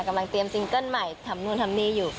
กำลังเตรียมซิงเกิ้ลใหม่ทำนู่นทำนี่อยู่